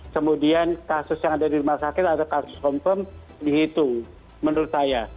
kemudian kasus yang ada di rumah sakit ada kasus confirm dihitung menurut saya